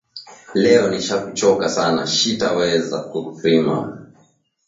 Leo nisha ku choka sana shita weza ku rima